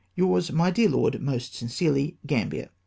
*' Yours, my dear Lord, most sincerely, "GrAMBIER.